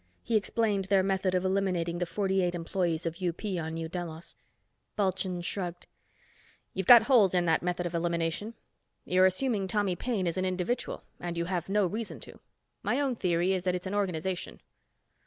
He explained their method of eliminating the forty eight employees of UP on New Delos. Bulchand shrugged. "You've got holes in that method of elimination. You're assuming Tommy Paine is an individual, and you have no reason to. My own theory is that it's an organization."